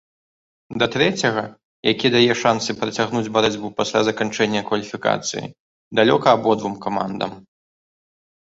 Да трэцяга, які дае шансы працягнуць барацьбу пасля заканчэння кваліфікацыі, далёка абодвум камандам.